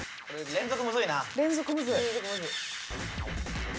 連続むずい。